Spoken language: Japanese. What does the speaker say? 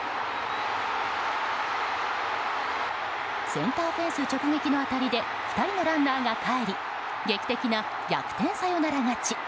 センターフェンス直撃の当たりで２人のランナーがかえり劇的な逆転サヨナラ勝ち。